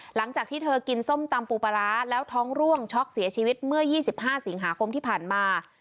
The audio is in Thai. หลังจากที่เธอกินส้มตำปูปลาร้าแล้วท้องร่วงช็อกเสียชีวิตเมื่อ๒๕สิงหาคมที่ผ่านมา